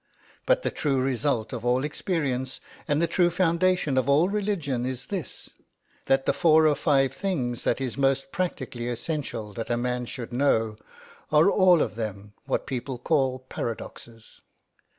But the true result of all experience and the true foundation of all religion is this. That the four or five things that it is most practically essential that a man should know, are all of them what people call paradoxes.